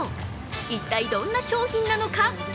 一体、どんな商品なのか。